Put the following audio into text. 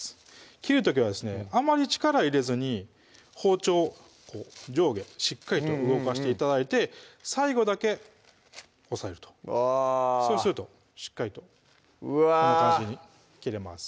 切る時はですねあまり力入れずに包丁をこう上下しっかりと動かして頂いて最後だけ押さえるとあぁそうするとしっかりとこんな感じに切れます